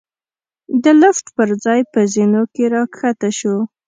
د لېفټ پر ځای په زېنو کې را کښته شوو.